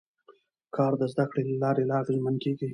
کار د زده کړې له لارې لا اغېزمن کېږي